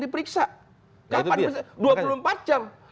diperiksa dua puluh empat jam